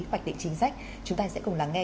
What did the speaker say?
hoạch định chính sách chúng ta sẽ cùng lắng nghe